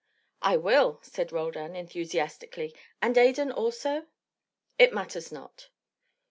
"I will," said Roldan, enthusiastically. "And Adan also?" "It matters not."